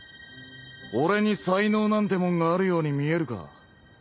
俺に才能なんてもんがあるように見えるか？